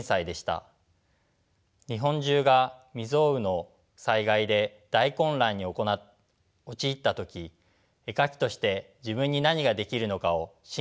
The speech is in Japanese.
日本中が未曽有の災害で大混乱に陥った時絵描きとして自分に何ができるのかを真剣に考えました。